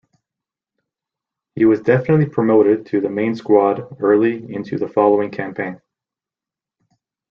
He was definitely promoted to the main squad early into the following campaign.